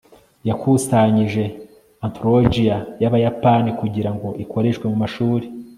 yakusanyije anthologiya y'abayapani kugira ngo ikoreshwe mu mashuri